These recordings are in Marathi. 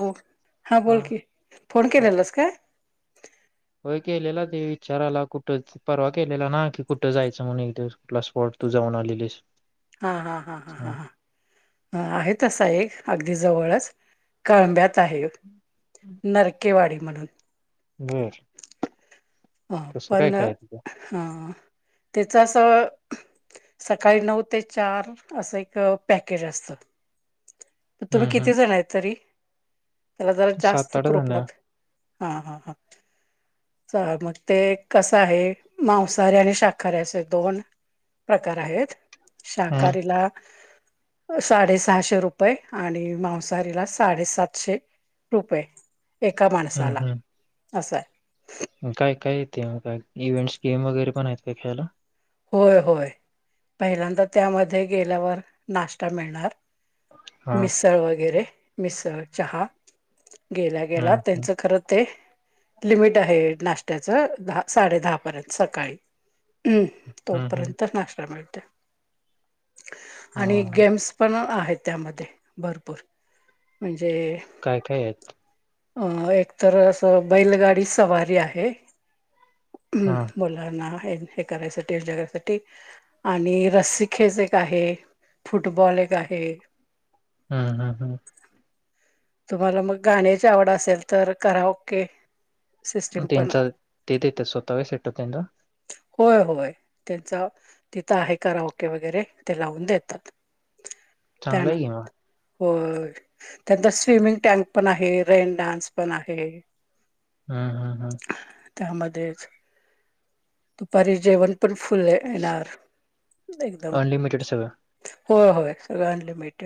हो हा बोल की फोन केलेलास काय होय केलेला ते विचाराला कुठंच परवा केलेला ना की, कुठं जायचं म्हणून एक दिवस कुठला स्पॉट तुझा. जाऊन आलेलीस. हा- हा -हा -हा - हा अ आहेत तसा एक अगदी जवळच कळंब्यात आहे. नरकेवाडी म्हणून. हू हो पण ह त्याच असं सकाळी नऊ ते चार असं एक पॅकेज असत. तुम्ही हम्म हम्म किती जण आहेत तरी त्याला जरा सात जास्त आठ जण [unintelligible] हा- हा -हा चाल मग ते कसं आहे मांसाहारी आणि शाकाारी असे दोन प्रकार आहेत हम्म शाकाहारीला साडेसहाशे रु आणि मांसाहारीला साडेसातशे रुपे एका माणसाला हम्म हम्म असंय. काय काय येते का इव्हेंट्स गेम वगैरे पण आहेत, काय खेळायला. होय होय पहिल्यांदा त्यामध्ये गेल्यावर नाश्ता मिळणार. हा मिसळ वगैरे मिसळ चहा. गेल्या हम्म गेला हम्म त्यांचं खरं ते लिमिट आहे, नाशत्याचं. दहा साडे दहापर्यंत सकाळी. हम्म हम् तोपर्यंत नाश्ता मिळते आणि हा गेम्स पण आहेत. त्यामध्ये भरपूर म्हणजे. काय काय आहेत अ एक तर असं बैलगाडी सवारी आहे. हम्म हा मुलांना ना हे हे करायचं जगासाठी आणि रस खेच एक आहे. फुटबॉल एक आहे. हम्म हम्म हम्म तुम्हाला मग गाण्याची आवड असेल तर करा ओके. सिस्टम पण त्यांचा ते देतात स्वतः सेटअप त्यांचा होय होय. त्यांच तिथं आहे, कार ओके वगैरे ते लावून देतात. चांगलं हाय ग म. हो त्यांं नतर स्विमिंग टँक पण आहे, रेन डान्स पण आहे. हम् हम् हम्. त्या मधेच. दुपारी जेवण पण फुल येणार एकदम. अनलिमिटेड सगळं होय होय सगळं अनलिमिट.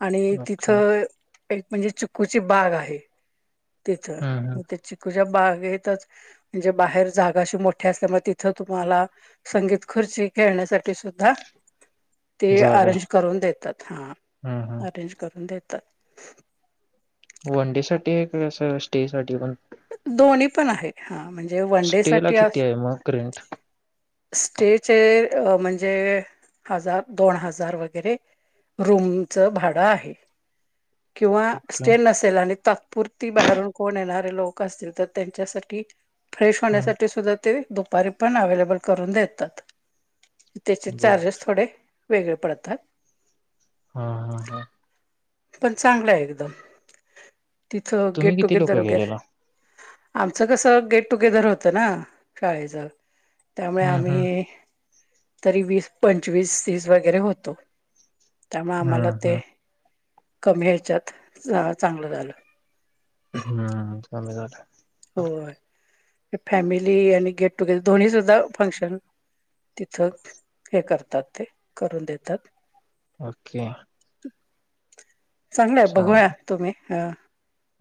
आणि तिथ ओके म्हणजे चीकु कुची बाग आहे तिथ हम्म हम्म म त्या चिकूच्या बागेतच मंजे बाहेर जागा अशी मोठी असल्यामुळे तिथ तुम्हाला संगीत खुर्ची खेळण्यासाठी सुद्धा. ते जागा आहे. अरेंज करून देतात हा हम्म हम्म अरेंज करून देतात. वनडे साठी आहे, का असं स्टे साठी पण. दोन्ही पण आहे, हा म्हणजे वन डे स्टे ला साठी किती असो. आहे मग रेंट स्टेजर म्हणजे. हजार दोन हजार वगैरे रूमच भाडं आहे. किंवा किंवा स्टेन नसेल आणि ता पुरती बाहेरून कोण येणारे लोक असतील तर त्यांच्यासाठी फ्रेश हम्म होण्यासाठी सुद्धा. ते दुपारी पण अवेलेबल करून देतात त्याचे बर चार्जेस थोडे वेगळे पडतात. हा हा हा. पण चांगला आहे एकदम तिथं तुम्ही गेट किती टुगेर लोक दर वगेर गेलेला आमचं कसं गेट टुगेदर होतं ना शाळेच त्यामुळे हम्म हम्म आम्ही तरी वीस- पंचवीस ती वगैरे होतो, त्यामुळे आम्हाला हम्म ते हम्म कमी ह्याच्यात चांगलं झालं. हम्म सम झा हो फॅमिली आणि गेट टुगेदर दोन्ही सुद्धा फंक्शन तिथं हे करतात ते करून देतात ओके चांगलंय बघूया चालेल तुम्ही अ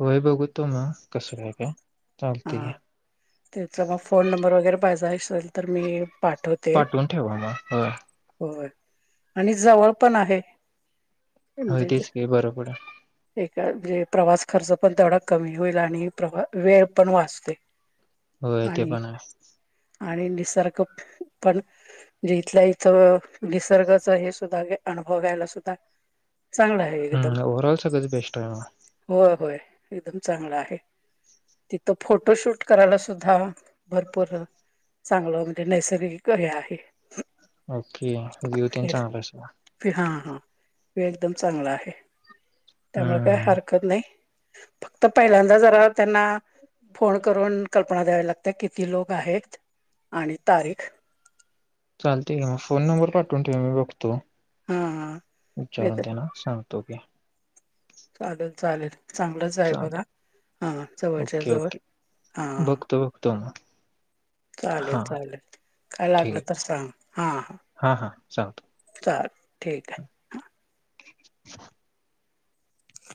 होय बघूतो मग कसं काय का हा त्याचा मग फोन नंबर वगैरे पाहिज असेल तर मी पाठवते, पाठवून ठेवा मग होय होय. आणि जवळ पण आहे. हो म्हणजे तेच का बरोबर आहे एक म्हणजे प्रवास खर्च पण तेवढा कमी होईल आणि प्रवा वेळ वाचतोय होय ते आणि पण आहे आणि निसर्ग पण जे इथल्या इथं निसर्गाच हे सुद्धा अनुभव घ्यायला सुद्धा चांगला आहे एकदम. हम्म ओव्हरऑल सगळंच बेस्ट आहे मग होय होय एकदम चांगला आहे. तिथं फोटोशूट करायला सुद्धा भरपूर चांगलं म्हणजे नैसर्गिक हे आहे क व्ह्यू ते चांगला आहे सगळं व्यु एकदम चांगला आहे त्यामुळे काय हम्म हरकत नाही फक्त पहिल्यांदा जरा त्यांना फोन करून कल्पना द्यावी लागते किती लोक गहेक आणि तारीख चालतय ठीक आहे मग फोन नंबर पाठवून ठेवा मी बघतो हा बेत तोक चालेल चालेल. चांगलंच आहे बघा चालते हा जवळच्या ओके जवळ ओके हा बघतो बघतो मग चालेल हां चालेल काय ठीक लागलं आहे तर सांग हा ह हां हां सांगतो चालतय ठीक आहे. रीकाम आहे